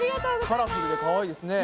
カラフルでかわいいですね。